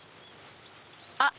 あっ！